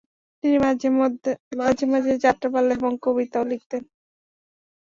তিনি মাঝেমাঝে যাত্রাপালা এবং কবিতাও লিখতেন।